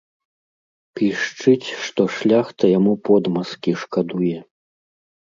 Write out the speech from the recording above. Пішчыць, што шляхта яму подмазкі шкадуе.